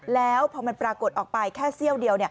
แล้วพอมันปรากฏออกไปแค่เสี้ยวเดียว